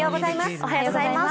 おはようございます。